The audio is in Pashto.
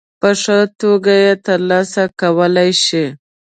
په ښه توګه یې ترسره کولای شي.